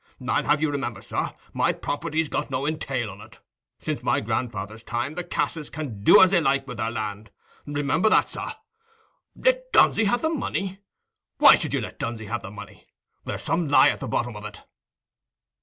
I'd have you to remember, sir, my property's got no entail on it;—since my grandfather's time the Casses can do as they like with their land. Remember that, sir. Let Dunsey have the money! Why should you let Dunsey have the money? There's some lie at the bottom of it."